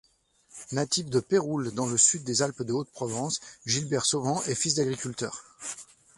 Natif de Peyroules dans le sud des Alpes-de-Haute-Provence, Gilbert Sauvan est fils d'agriculteurs.